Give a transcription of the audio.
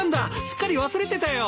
すっかり忘れてたよ。